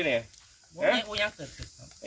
ช่วยด้วย